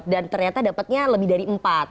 dan ternyata dapetnya lebih dari empat